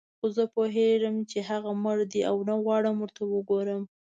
خو زه پوهېږم چې هغه مړ دی او نه غواړم ورته وګورم.